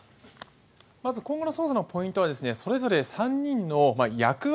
まず今後の捜査のポイントはそれぞれ３人の役割